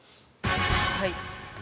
はい。